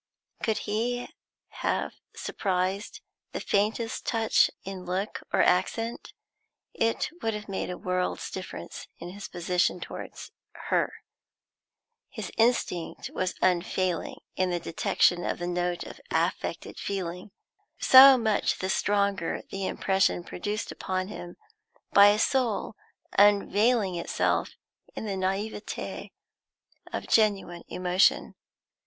Could he have surprised the faintest touch of insincerity in look or accent, it would have made a world's difference in his position towards her. His instinct was unfailing in the detection of the note of affected feeling; so much the stronger the impression produced upon him by a soul unveiling itself in the naivete of genuine emotion.